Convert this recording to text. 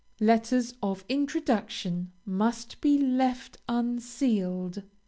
LETTERS OF INTRODUCTION must be left unsealed.